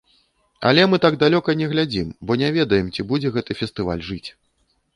Але мы так далёка не глядзім, бо не ведаем ці будзе гэты фестываль жыць.